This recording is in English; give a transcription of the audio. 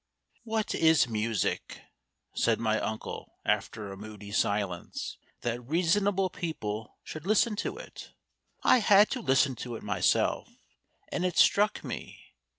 "What is music," said my uncle, after a moody silence, "that reasonable people should listen to it? I had to listen to it myself, and it struck me.